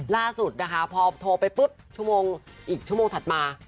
ล่าสุดนะคะพอโทรไปปุ๊บชั่วโมงอีกชั่วโมงถัดมา